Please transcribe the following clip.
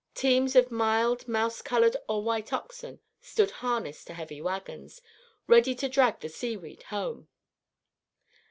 Teams of mild mouse colored or white oxen stood harnessed to heavy wagons, ready to drag the seaweed home.